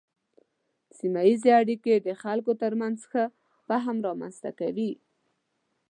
سیمه ایزې اړیکې د خلکو ترمنځ ښه فهم رامنځته کوي.